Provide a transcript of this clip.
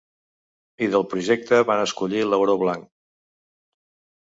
I del projecte van escollir l’auró blanc.